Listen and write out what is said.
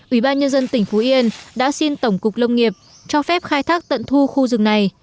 ủy ban nhân dân tỉnh phú yên đã xin tổng cục lông nghiệp cho phép khai thác tận thu khu rừng này